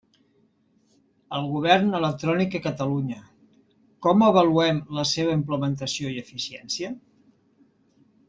El govern electrònic a Catalunya: com avaluem la seva implementació i eficiència?